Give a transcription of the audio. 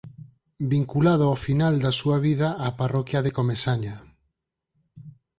Vinculado ao final da súa vida á parroquia de Comesaña.